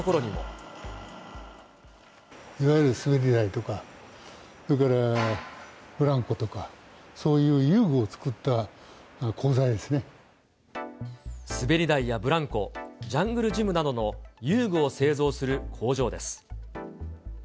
いわゆる滑り台とか、それからブランコとか、滑り台やブランコ、ジャングルジムなどの遊具を製造する工場です。